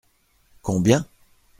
Combien ?